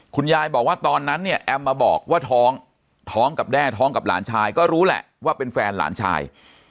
คุณยายบอกว่าตอนนั้นเนี่ยแอมมาบอกว่าท้องท้องกับแด้ท้องกับหลานชายก็รู้แหละว่าเป็นแฟนหลานชาย